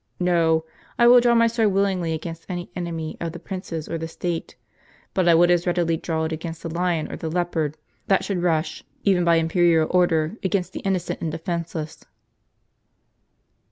No, I will draw my sword willingly against any enemy of the princes or the state ; but I would as readily draw it against the lion or the leopard that should rush, even by * Lucian : De Morte Peregrini. ^ imperial order, against the innocent and defenceless."